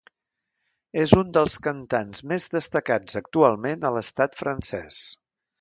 És un dels cantants més destacats actualment a l'estat francès.